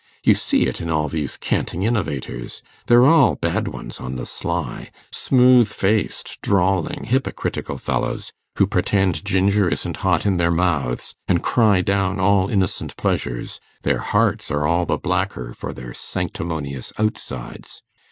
You see it in all these canting innovators; they're all bad ones by the sly; smooth faced, drawling, hypocritical fellows, who pretend ginger isn't hot in their mouths, and cry down all innocent pleasures; their hearts are all the blacker for their sanctimonious outsides.